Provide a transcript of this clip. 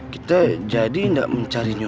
kita jadi gak mencari nyur